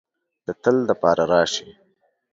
د تل د پاره راشې